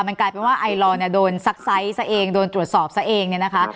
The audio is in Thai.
มันกลายเป็นว่าไอลอร์เนี่ยโดนซักไซส์ซะเองโดนตรวจสอบซะเองเนี่ยนะคะ